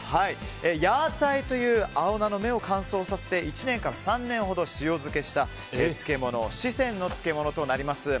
ヤーツァイという青菜の芽を乾燥させて１年から３年ほど塩漬けした四川の漬物となります。